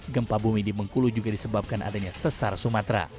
gempa bumi di bengkulu juga disebabkan adanya sesar sumatera